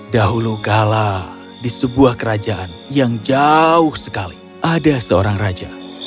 dahulu kala di sebuah kerajaan yang jauh sekali ada seorang raja